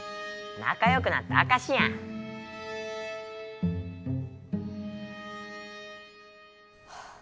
なかよくなったあかしや！ハァ。